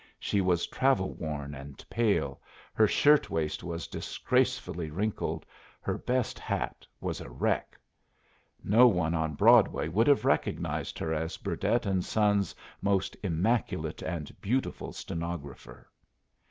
She was travel worn and pale, her shirt waist was disgracefully wrinkled, her best hat was a wreck. No one on Broadway would have recognized her as Burdett and Sons' most immaculate and beautiful stenographer.